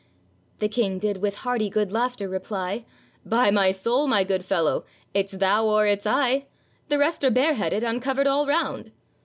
The King did with hearty good laughter, reply, 'By my soul! my good fellow, it's thou or it's I! The rest are bareheaded, uncovered all round.